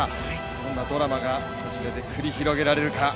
どんなドラマがこちらで繰り広げられるか。